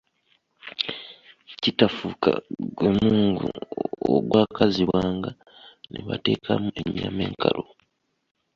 Kitafuka gwe mungu ogwakazibwanga ne bateekamu ennyama enkalu.